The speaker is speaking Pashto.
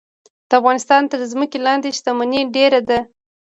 د افغانستان تر ځمکې لاندې شتمني ډیره ده